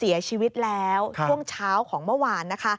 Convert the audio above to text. เสียชีวิตแล้วช่วงเช้าของเมื่อวานนะคะ